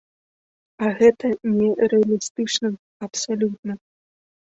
А гэта нерэалістычна абсалютна.